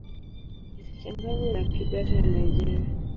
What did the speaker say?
Isichanganywe na Kibete ya Nigeria.